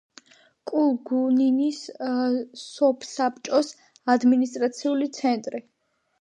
კულგუნინის სოფსაბჭოს ადმინისტრაციული ცენტრი.